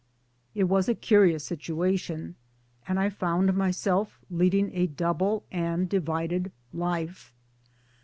It was a curious situation, and I found myself leading a double and divided life.